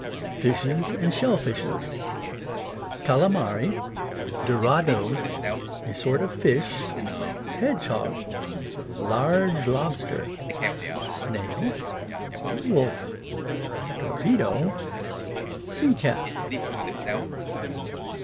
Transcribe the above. Fishes and shell fishes. Calamary Dorado A sorte of fish Hedge hog Large lobster Snail Wolf Torpedo Searcalf.